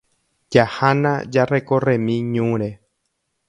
Jahána jarecorremi ñúre.